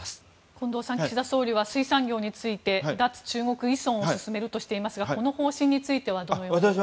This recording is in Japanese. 近藤さん岸田総理は水産業について脱中国依存を進めるとしていますがこの方針についてはいかがですか？